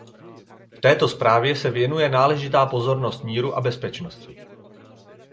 V této zprávě se věnuje náležitá pozornost míru a bezpečnosti.